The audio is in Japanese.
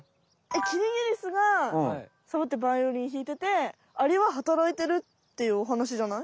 キリギリスがサボってバイオリンひいててアリは働いてるっていうおはなしじゃない？